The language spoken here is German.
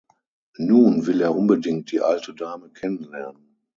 Nun will er unbedingt die alte Dame kennen lernen.